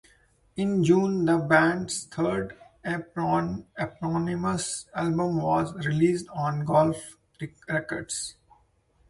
In June the band's third, eponymous album was released on Golf Records.